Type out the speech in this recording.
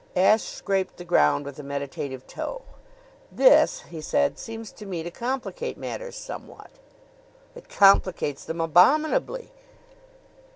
Ashe scraped the ground with a meditative toe. "This," he said, "seems to me to complicate matters somewhat." "It complicates them abominably!"